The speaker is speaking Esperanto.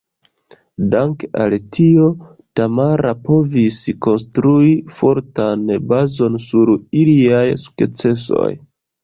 Danke al tio, Tamara povis konstrui fortan bazon sur iliaj sukcesoj.